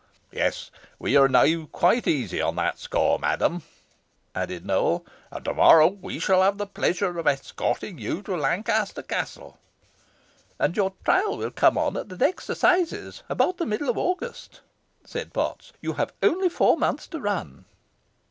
"Yes, we are now quite easy on that score, madam," added Nowell; "and to morrow we shall have the pleasure of escorting you to Lancaster Castle." "And your trial will come on at the next assizes, about the middle of August," said Potts, "You have only four months to run."